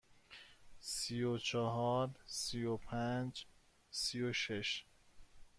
سی و چهار، سی و پنج، سی و شش.